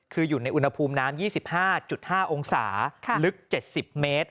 คืออยู่ในอุณหภูมิน้ำ๒๕๕องศาลึก๗๐เมตร